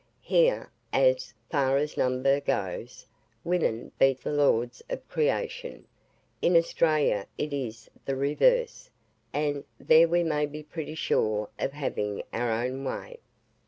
Here (as far as number goes) women beat the "lords of creation;" in Australia it is the reverse, and, there we may be pretty sure of having our own way.